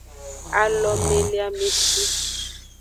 Alomeleameshi.